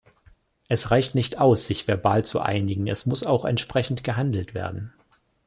Es reicht nicht aus, sich verbal zu einigen, es muss auch entsprechend gehandelt werden.